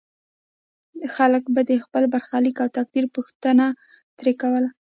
خلکو به د خپل برخلیک او تقدیر پوښتنه ترې کوله.